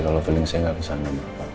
kalau feeling saya gak kesana